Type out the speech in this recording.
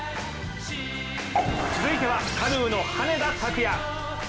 続いてはカヌーの羽根田卓也。